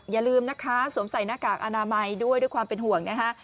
อย่าลืมนะคะสวมใส่หน้ากากอนามัยด้วยด้วยความเป็นห่วงนะคะ